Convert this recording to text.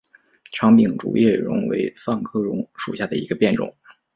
长柄竹叶榕为桑科榕属下的一个变种。